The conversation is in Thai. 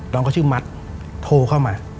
น้องเขาชื่อมัดโทรเข้ามา